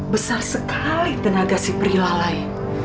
besar sekali tenaga si pri lalai